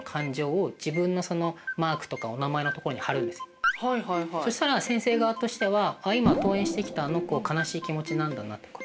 例えば例えばそしたら先生側としては今登園してきたあの子悲しい気持ちなんだなとか。